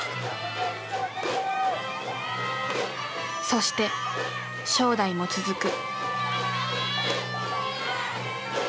そして正代も続く。